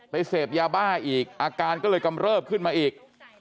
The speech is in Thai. เสพยาบ้าอีกอาการก็เลยกำเริบขึ้นมาอีก